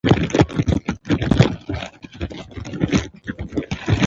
د مخ ګونځې یې داسې هوارې شوې وې.